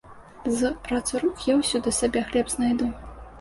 З працы рук я ўсюды сабе хлеб знайду.